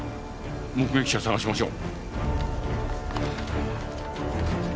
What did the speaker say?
目撃者捜しましょう。